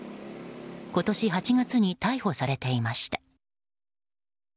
今年８月に逮捕されていました。